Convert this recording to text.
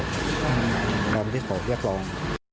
อย่างที่เขาเรียกรอง